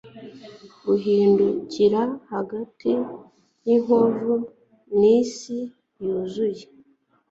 guhindukira hagati yinkovu nisi yuzuye